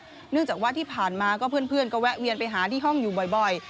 เนื่องจากว่าที่ผ่านมาก็เพื่อนก็แวะเวียนไปหาที่ห้องอยู่บ่อย